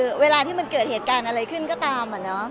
คือเวลาที่มันเกิดเหตุการณ์อะไรขึ้นก็ตามอะเนาะ